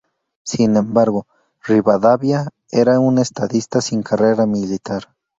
Sin embargo, Rivadavia era un estadista sin carrera militar.